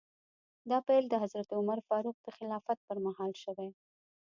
دا پیل د حضرت عمر فاروق د خلافت په مهال شوی.